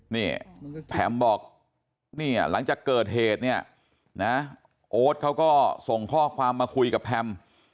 นี่แพมบอกเนี่ยหลังจากเกิดเหตุเนี่ยนะโอ๊ตเขาก็ส่งข้อความมาคุยกับแพม